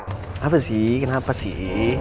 kenapa sih kenapa sih